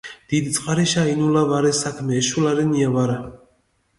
დიდი წყარიშა ინულა ვარე საქმე ეშულა რენია ვარა